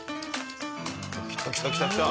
きたきたきたきた！